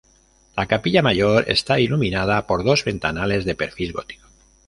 La capilla mayor está iluminada por dos ventanales de perfil gótico.